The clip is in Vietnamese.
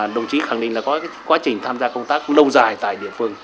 đồng chí khẳng định là có quá trình tham gia công tác lâu dài tại địa phương